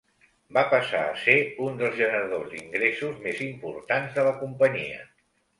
Va passar a ser un dels generadors d"ingressos més importants de la companyia.